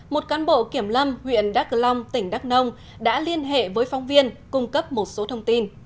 một cán bộ kiểm lâm huyện đắc lông tỉnh đắc nông đã liên hệ với phóng viên cung cấp một số thông tin